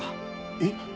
えっ？